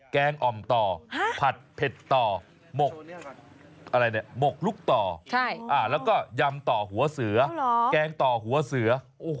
แกงอ่อมต่อผัดเผ็ดต่อหมกหมกลุกต่อแล้วก็ยำต่อหัวเสือแกงต่อหัวเสือ